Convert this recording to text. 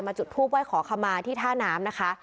มาจุดภูมิไว้ขอขมาที่ท่าน้ำนะคะ